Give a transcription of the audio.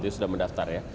sudah mendaftar ya